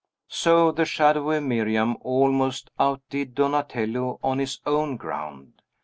So the shadowy Miriam almost outdid Donatello on his own ground.